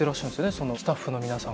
そのスタッフの皆さんが。